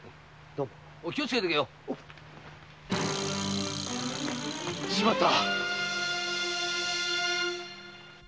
気をつけて行けよ。しまった！